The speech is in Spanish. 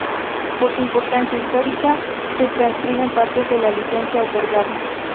Por su importancia histórica se transcriben partes de la licencia otorgada.